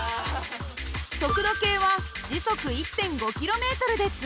速度計は時速１．５ｋｍで通過。